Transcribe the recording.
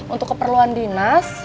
untuk keperluan dinas